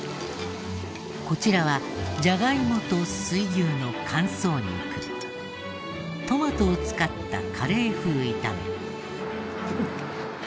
こちらはじゃがいもと水牛の乾燥肉トマトを使ったカレー風炒め。